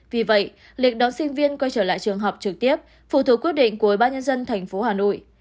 vì vậy lịch đoán sinh viên quay trở lại trường học trực tiếp phụ thuộc quyết định của bác nhân dân tp hà nội